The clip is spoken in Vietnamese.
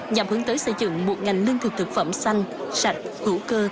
nhằm hướng tới xây dựng một ngành lương thực thực phẩm xanh sạch hữu cơ